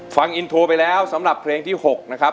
ฟังอินโทรไปแล้วสำหรับเพลงที่๖นะครับ